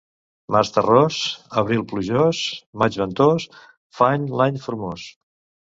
Març terrós, abril plujós, maig ventós, fan l'any formós.